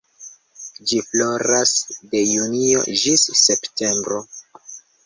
Ĝi floras de junio ĝis septembro.